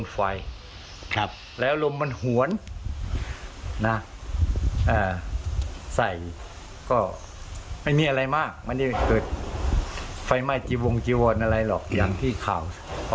ไฟไม่จิวงจิวนอะไรหรอกอย่างที่ข่าว